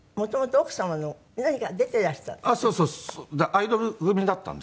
アイドル組だったんですが。